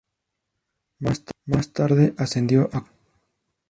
Más tarde ascendió a coronel.